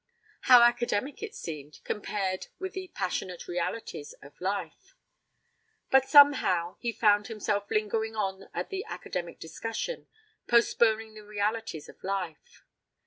How academic it seemed, compared with the passionate realities of life. But somehow he found himself lingering on at the academic discussion, postponing the realities of life.